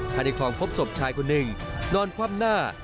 ภายในคลองพบศพชายคนหนึ่งนอนคว่ำหน้า